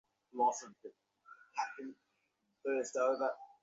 প্রতাপাদিত্য তখন তাঁহার উচ্ছ্বসিত ক্রোধ দমন করিয়া স্থির গম্ভীর ভাবে বসিয়া আছেন।